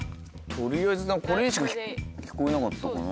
取りあえずこれにしか聞こえなかったかな。